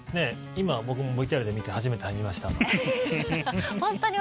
今、僕もＶＴＲで見て初めて見ました。